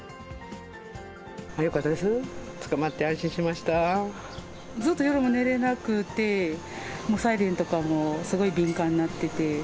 よかったです、捕まって安心ずっと夜も寝れなくて、サイレントかもすごい敏感になってて。